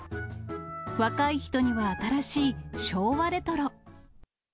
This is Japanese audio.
若い人には新しい昭和レトロ。